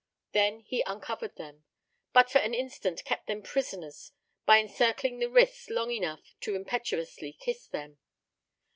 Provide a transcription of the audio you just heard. Then he uncovered them, but for an instant kept them prisoners by encircling the wrists long enough to impetuously kiss them.